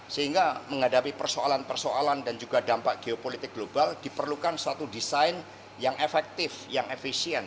sehingga menghadapi persoalan persoalan dan juga dampak geopolitik global diperlukan suatu desain yang efektif yang efisien